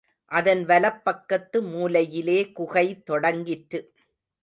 அதன் வலப்பக்கத்து மூலையிலே குகை தொடங்கிற்று.